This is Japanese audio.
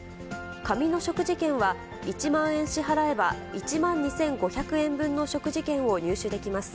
紙の食事券は、１万円支払えば、１万２５００円分の食事券を入手できます。